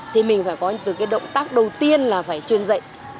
thì mình phải có được cái động tác đầu tiên là phải truyền dạy